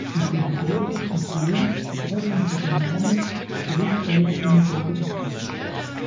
Die Synagoge von Tallinn ist auch unter dem Namen "Beit Bella Synagoge" bekannt.